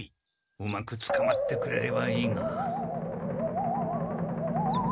うまくつかまってくれればいいが。